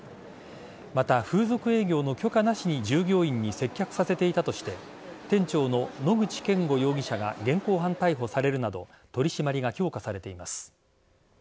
また、風俗営業の許可なしに従業員に接客させていたとして店長の野口顕吾容疑者が現行犯逮捕されるなど取り締まりが強化されています。